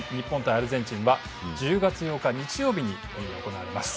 アルゼンチンは１０月８日、日曜日に行われます。